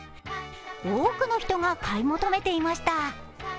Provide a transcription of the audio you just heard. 多くの人が買い求めていました。